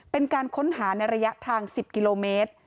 เป็นการค้นหาในระยะทาง๑๐กิโลเมตร